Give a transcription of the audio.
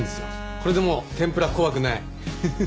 これでもう天ぷら怖くない。